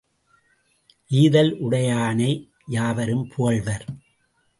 ஈதல் உடையானை யாவரும் புகழ்வர்.